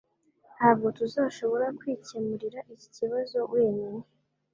Ntabwo tuzashobora kwikemurira iki kibazo wenyine.